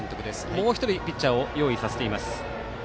もう１人、ピッチャーを用意させています。